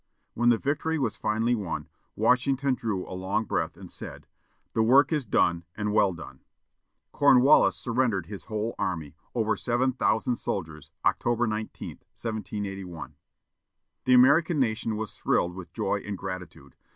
When the victory was finally won, Washington drew a long breath and said, "The work is done and well done." Cornwallis surrendered his whole army, over seven thousand soldiers, October 19, 1781. The American nation was thrilled with joy and gratitude.